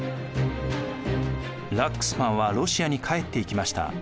ラックスマンはロシアに帰っていきました。